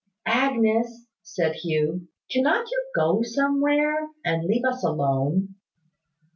"Agnes," said Hugh, "cannot you go somewhere, and leave us alone?"